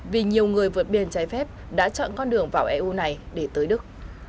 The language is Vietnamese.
vì nhiều người vượt biên trái phép đã chọn con đường vào eu này để tới đức